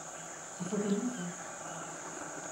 Susadınız mı?